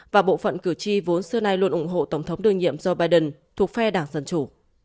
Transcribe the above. và bộ phận cử tri vốn xưa nay luôn ủng hộ tổng thống đương nhiệm joe biden thuộc phe đảng dân chủ